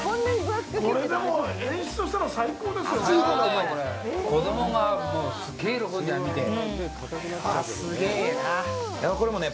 これ、でも、演出としては最高ですよね。